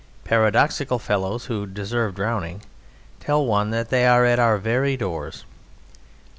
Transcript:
Paradoxical fellows who deserve drowning tell one that they are at our very doors.